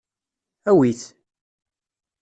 Awi-t!